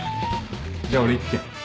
じゃ俺行くけん。